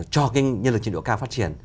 cho cái nhân lực trình độ cao phát triển